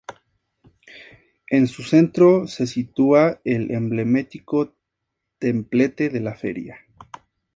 En su centro se sitúa el emblemático Templete de la Feria.